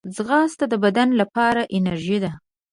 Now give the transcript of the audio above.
ځغاسته د بدن لپاره انرژي ده